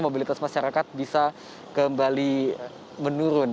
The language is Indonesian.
mobilitas masyarakat bisa kembali menurun